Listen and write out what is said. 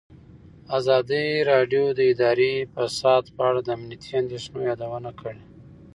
ازادي راډیو د اداري فساد په اړه د امنیتي اندېښنو یادونه کړې.